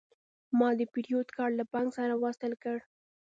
ما د پیرود کارت له بانک سره وصل کړ.